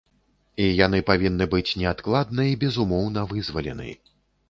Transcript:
І яны павінны быць неадкладна і безумоўна вызвалены.